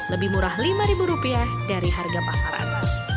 lebih murah lima rupiah dari harga pasaran